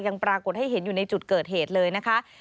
ปรากฏให้เห็นอยู่ในจุดเกิดเหตุเลยนะคะ